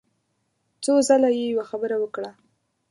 څو ځله يې يوه خبره وکړه.